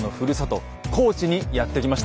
高知にやって来ました！